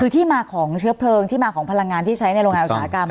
คือที่มาของเชื้อเพลิงที่มาของพลังงานที่ใช้ในโรงงานอุตสาหกรรม